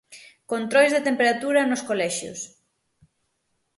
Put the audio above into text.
Controis de temperatura nos colexios...